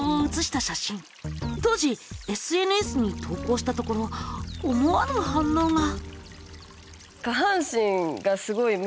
当時ＳＮＳに投稿したところ思わぬ反応が。